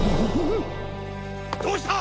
どうした？